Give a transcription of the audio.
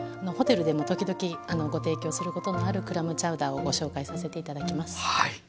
ホテルでも時々ご提供することのあるクラムチャウダーをご紹介させて頂きます。